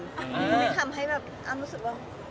มิ๊กทำให้อ้ำรู้สึกว่า